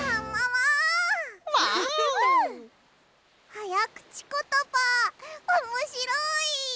はやくちことばおもしろい！